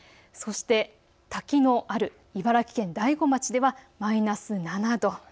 そして滝のある茨城県大子町ではマイナス７度。